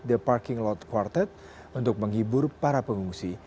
the parking lot quartet untuk menghibur para pengungsi